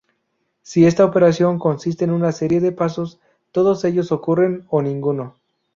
Si esta operación consiste en una serie de pasos, todos ellos ocurren o ninguno.